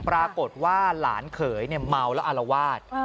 ปรากฏว่าหลานเขยเมาแล้วอารวาส